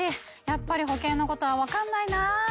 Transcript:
やっぱり保険のことは分かんないな。